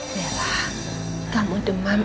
bella kamu demam